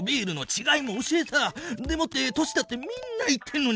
でもって年だってみんな言ってんのに。